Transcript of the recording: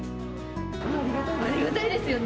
ありがたいですよね。